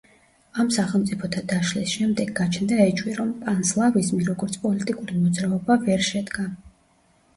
ამ სახელმწიფოთა დაშლის შემდეგ გაჩნდა ეჭვი, რომ პანსლავიზმი, როგორც პოლიტიკური მოძრაობა ვერ შედგა.